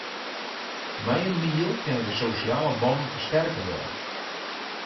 Mei in miel kinne de sosjale bannen fersterke wurde.